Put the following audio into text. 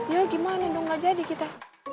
ya gimana dong gak jadi kita